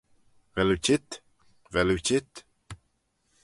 Vel oo çheet? Vel oo çheet?